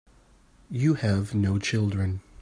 You have no children.